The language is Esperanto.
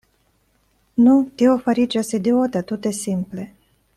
Nu, tio fariĝas idiota tute simple.